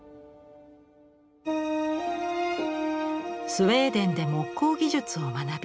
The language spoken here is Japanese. スウェーデンで木工技術を学び